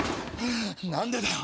何でだよ！